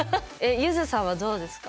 ゆずさんは、どうですか？